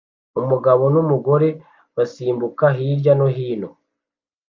Umugabo numugore basimbuka hirya no hino